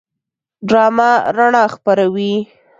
ډرامه رڼا خپروي